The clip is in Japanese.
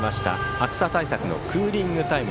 暑さ対策のクーリングタイム。